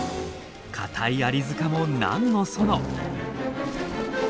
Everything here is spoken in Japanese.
硬いアリ塚も何のその。